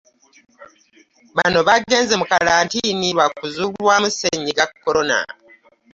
Bano baagenze mu kkalantiini lwa kuzuulwamu ssennyiga Corona.